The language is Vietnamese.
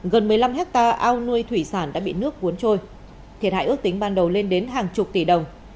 gần một mươi năm hectare ao nuôi thủy sản đã bị nước cuốn trôi thiệt hại ước tính ban đầu lên đến hàng chục tỷ đồng